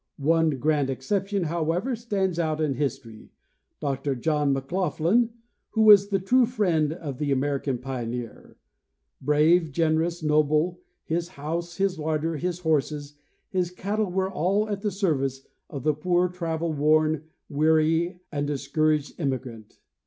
One grand exception, however, stands out in history: Dr John Mc 34 —Nar. Geog, Maa., vor. VI, 1894. 256 John H. Mitchell—Oregon Laughlin was the true friend of the American pioneer. Braye, generous, noble, his house, his larder, his horses, his cattle were all at the service of the poor travel worn, weary and discouraged emigrant.